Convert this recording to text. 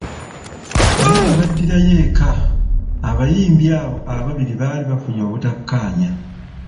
Naye webaddirayo eka, abayimbi abo ababiri baali bafunye obutakaanya.